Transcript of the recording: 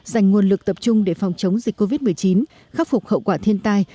dành nguồn lực tập trung để phòng chống dịch covid một mươi chín khắc phục hậu quả thiên tai